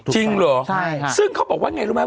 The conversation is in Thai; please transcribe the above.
จริงเหรอซึ่งเขาบอกว่าไงรู้ไหม